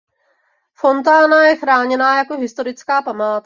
Fontána je chráněná jako historická památka.